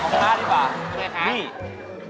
โอ้ของทาดีบาลนี่ครับ